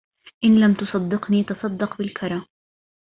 إن لم تصدقني تصدق بالكرى